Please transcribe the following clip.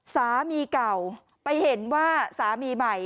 สามีเก่าไปเห็นว่าสามีใหม่